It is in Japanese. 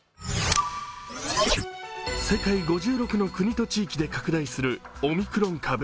世界５６の国と地域で拡大するオミクロン株。